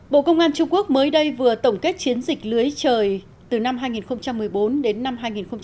bộ công an trung quốc mới đây vừa tổng kết chiến dịch lưới trời từ năm hai nghìn một mươi bốn đến năm hai nghìn một mươi tám